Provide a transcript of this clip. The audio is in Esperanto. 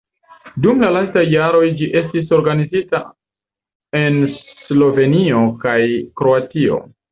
Dum la lastaj jaroj ĝi estis organizita en Slovenio kaj Kroatio.